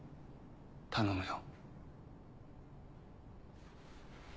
頼むよ。